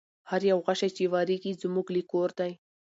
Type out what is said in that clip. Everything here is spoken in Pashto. هر یو غشی چي واریږي زموږ له کور دی